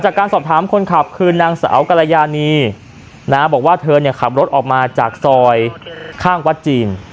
จากการสอบถามคนขับคือนางสาวกรยานีนะบอกว่าเธอเนี่ยขับรถออกมาจากซอยข้างวัดจีน